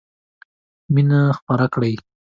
مينه خپره کړئ.